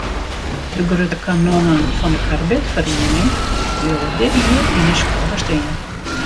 De grutte kanonnen fan de karbidferiening bliuwe dit jier yn de skuorre stean.